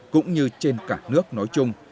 cũng như trên cả nước nói chung